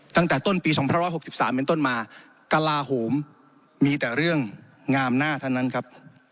ตั้งแต่ต้นปี๒๑๖๓เป็นต้นมากลาโหมมีแต่เรื่องงามหน้าเท่านั้นครับ